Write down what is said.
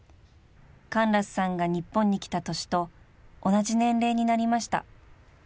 ［カンラスさんが日本に来た年と同じ年齢になりました］